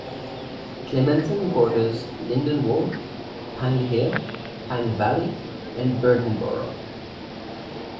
Clementon borders Lindenwold, Pine Hill, Pine Valley, and Berlin Borough.